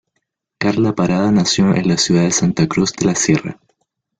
Carla Parada nació en la ciudad de Santa Cruz de la Sierra.